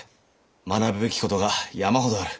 学ぶべきことが山ほどある。